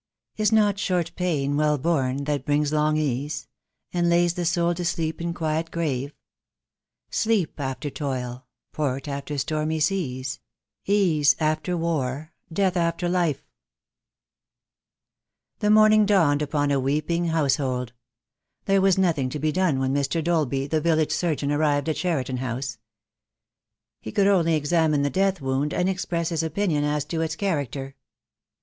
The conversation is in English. "Is not short payne well borne that bringes long ease, And laves the soule to sleepe in quiet grave? Sleepe after toyle, port after stormie seas, Ease after warre, death after life ...." The morning dawned upon a weeping household. There was nothing to be done when Mr. Dolby, the village surgeon, arrived at Cheriton House. He could only examine the death wound and express his opinion as to its character.